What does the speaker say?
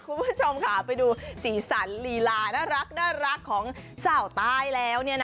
คุณผู้ชมค่ะไปดูสีสันลีลาน่ารักของสาวใต้แล้ว